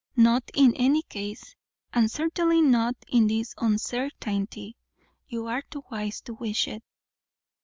Not in any case; and certainly not in this uncertain'ty. You are too wise to wish it."